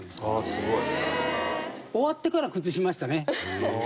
すごい。